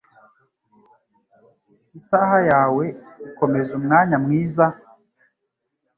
Isaha yawe ikomeza umwanya mwiza?